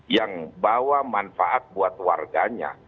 yang bawa manfaat buat warganya